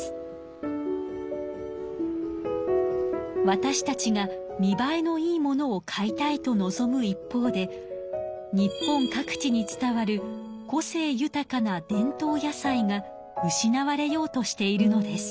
わたしたちが見ばえのいいものを買いたいと望む一方で日本各地に伝わる個性豊かな伝統野菜が失われようとしているのです。